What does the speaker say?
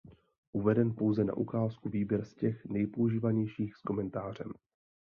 Uveden pouze na ukázku výběr z těch nejpoužívanějších s komentářem.